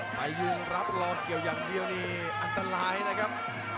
ไปยืนรับรอเกี่ยวอย่างเดียวนี่อันตรายนะครับ